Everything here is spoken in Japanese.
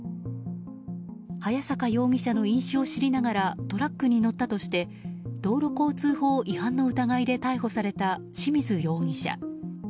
早坂容疑者の飲酒を知りながらトラックに乗ったとして道路交通法違反の疑いで逮捕された清水容疑者。